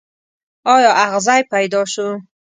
ایا اغزی پیدا شو.